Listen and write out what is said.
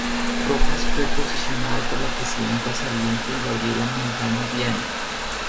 Rojas fue posesionado por la presidenta saliente Gabriela Montaño Viaña.